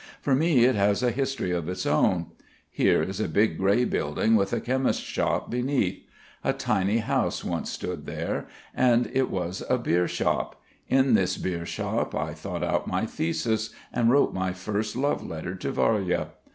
For me it has a history of its own. Here is a big grey building with a chemist's shop beneath. A tiny house once stood there, and it was a beer shop. In this beer shop I thought out my thesis, and wrote my first love letter to Varya.